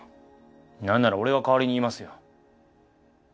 なんなら俺が代わりに言いますよ。